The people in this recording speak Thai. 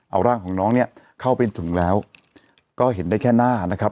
เอาร่างของน้องเนี่ยเข้าไปถึงแล้วก็เห็นได้แค่หน้านะครับ